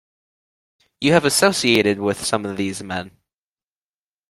You have associated with some of these men.